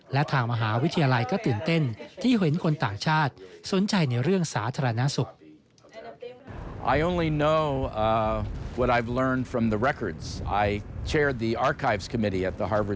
และทางมหาวิทยาลัยก็ตื่นเต้นที่เห็นคนต่างชาติ